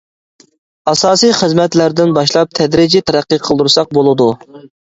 ئاساسىي خىزمەتلەردىن باشلاپ، تەدرىجىي تەرەققىي قىلدۇرساق بولىدۇ.